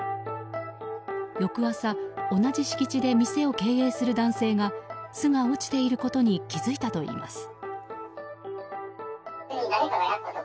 翌朝、同じ敷地で店を経営する男性が巣が落ちていることに気づいたといいます。